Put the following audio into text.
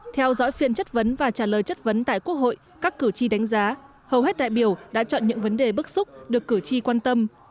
theo dõi phiên chất vấn và trả lời chất vấn tại quốc hội các cử tri đánh giá hầu hết đại biểu đã chọn những vấn đề bức xúc được cử tri quan tâm